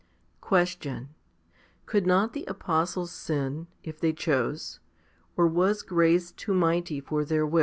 11. Question. Could not the apostles sin, if they chose? or was grace too mighty for their wills